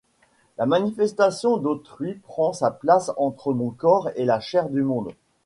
La manifestation d’autrui prend sa place entre mon corps et la chair du monde.